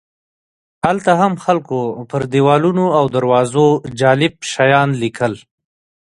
هلته هم خلکو پر دیوالونو او دروازو جالب شیان لیکل.